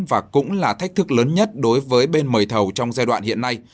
và cũng là thách thức lớn nhất đối với bên mời thầu trong giai đoạn hiện nay